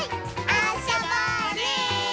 あそぼうね！